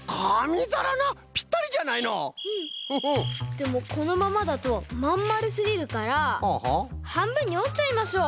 でもこのままだとまんまるすぎるからはんぶんにおっちゃいましょう。